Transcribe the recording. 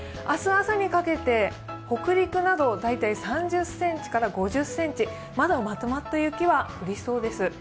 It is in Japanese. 明日朝にかけて、北陸など大体３０ｃｍから５０ｃｍ、まだまとまった雪は降りそうです。